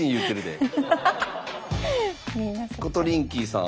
コトリンキーさん？